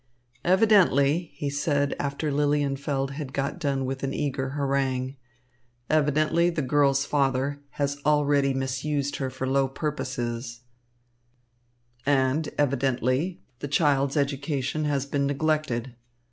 "Evidently," he said after Lilienfeld had got done with an eager harangue, "evidently, the girl's father has already misused her for low purposes, and evidently, the child's education has been neglected.